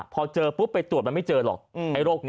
พอเจอปุ๊บไปตรวจมันไม่เจอหรอก